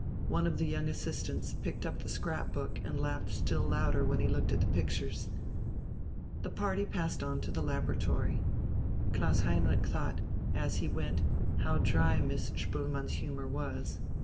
One of the young assistants picked up the scrapbook and laughed still louder when he looked at the pictures. The party passed on into the laboratory. Klaus Heinrich thought, as he went, how dry Miss Spoelmann's humour was.